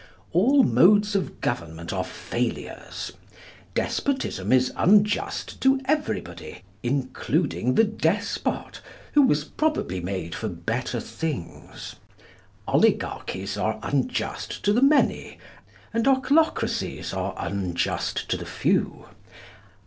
All modes of government are failures. Despotism is unjust to everybody, including the despot, who was probably made for better things. Oligarchies are unjust to the many, and ochlocracies are unjust to the few.